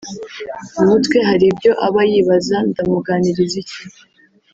mu mutwe hari ibyo aba yibaza; Ndamuganiriza iki